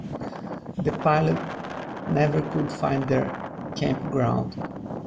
The pilot never could find their campground.